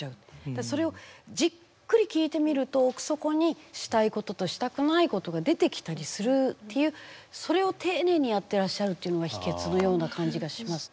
それをじっくり聞いてみると奥底にしたいこととしたくないことが出てきたりするっていうそれを丁寧にやってらっしゃるっていうのが秘けつのような感じがします。